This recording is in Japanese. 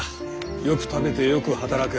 よく食べてよく働く。